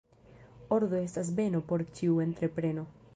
Ordo estas beno por ĉiu entrepreno.